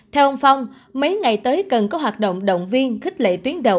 theo ông phong mấy ngày tới cần có hoạt động động viên khích lệ tuyến đầu